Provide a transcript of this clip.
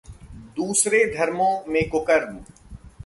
दूसरे धर्मों में कुकर्म